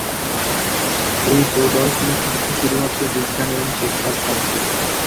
এই প্রদর্শনীটি হচ্ছে শুধুমাত্র বিজ্ঞান এবং শিক্ষার স্বার্থে।